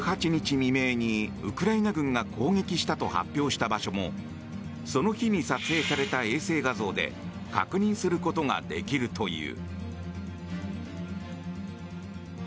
未明にウクライナ軍が攻撃したと発表した場所もその日に撮影された衛星画像で確認することができるという。